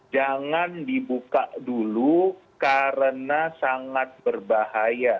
jangan dibuka dulu karena sangat berbahaya